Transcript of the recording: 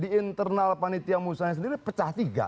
di internal panitia musanya sendiri pecah tiga